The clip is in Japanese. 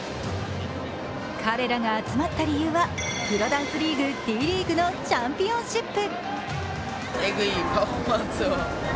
彼らが集まった理由はプロダンスリーグ、Ｄリーグのチャンピオンシップ。